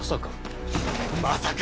まさか。